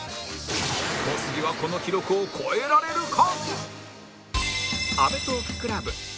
小杉はこの記録を超えられるか？